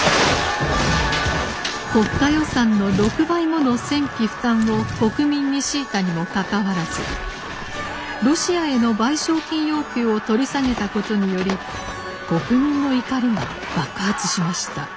国家予算の６倍もの戦費負担を国民に強いたにもかかわらずロシアへの賠償金要求を取り下げたことにより国民の怒りが爆発しました。